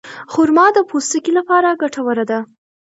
خرما د پوستکي لپاره ګټوره ده.